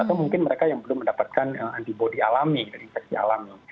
atau mungkin mereka yang belum mendapatkan antibody alami dari infeksi alami